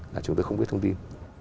là chúng tôi không biết thông tin